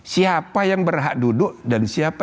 siapa yang berhak duduk dan siapa